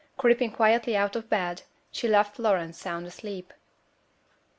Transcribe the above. Creeping quietly out of bed, she left Florence sound asleep.